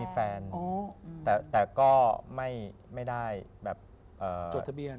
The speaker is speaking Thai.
แฟนแต่ก็ไม่ได้แบบจดทะเบียน